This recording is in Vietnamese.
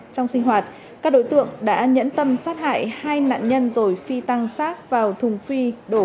trong sinh hoạt các đối tượng đã nhẫn tâm sát hại hai nạn nhân rồi phi tăng sát vào thùng phi đổ